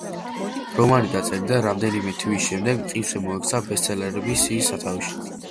რომანი დაწერიდან რამდენიმე თვის შემდეგ მყისვე მოექცა ბესტსელერების სიის სათავეში.